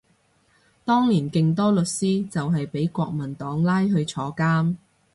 當年勁多律師就係畀國民黨拉去坐監